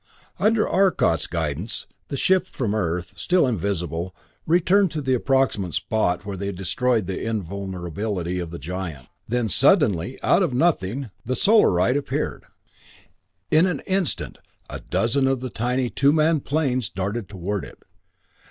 Under Arcot's guidance the ship from Earth, still invisible, returned to the approximate spot where they had destroyed the invulnerability of the Giant. Then suddenly, out of nothing, the Solarite appeared. In an instant a dozen of the tiny two man planes darted toward it.